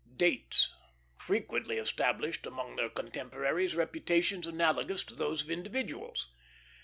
"Dates" frequently established among their contemporaries reputations analogous to those of individuals.